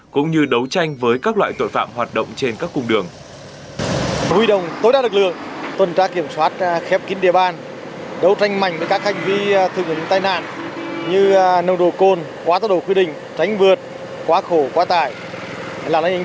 cũng như đấu tranh với các tỉnh tỉnh tỉnh tỉnh tỉnh tỉnh tỉnh tỉnh tỉnh tỉnh